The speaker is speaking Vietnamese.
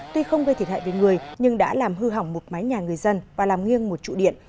tuy không gây thiệt hại về người nhưng đã làm hư hỏng một mái nhà người dân và làm nghiêng một trụ điện